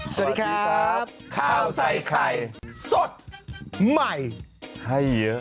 สวัสดีครับข้าวใส่ไข่สดใหม่ให้เยอะ